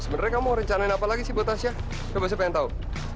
sebenarnya kamu rencanain apa lagi sih buat tasya coba saya pengen tahu